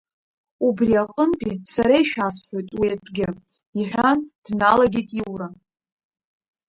Убри аҟынтәи сара ишәасҳәоит уи атәгьы, — иҳәан, дналагеит Иура.